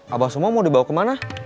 abang semua mau dibawa kemana